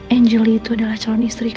angelny itu adalah calon istri kamu